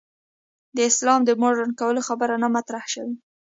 د اسلام د مډرن کولو خبره نه ده مطرح شوې.